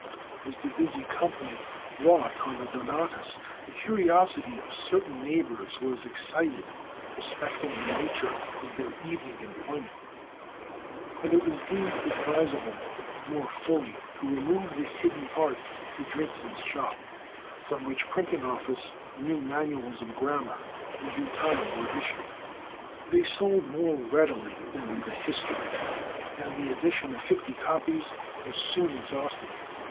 As the busy company wrought on the "Donatus," the curiosity of certain neighbors was excited respecting the nature of their evening employment, and it was deemed advisable more fully to remove the hidden art to Dritzhn's shop, from which printing office the new manuals of grammar in due time were issued. They sold more readily than the "History," and the edition of fifty copies was soon exhausted.